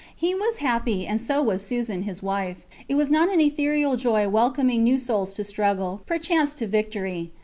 He was happy, and so was Susan, his wife. It was not an ethereal joy welcoming new souls to struggle, perchance to victory.